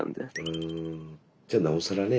じゃなおさらね